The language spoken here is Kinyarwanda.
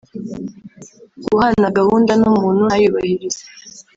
guhana gahunda n’ umuntu ntayubahirize